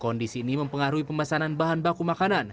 kondisi ini mempengaruhi pemesanan bahan baku makanan